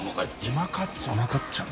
うまかっちゃん？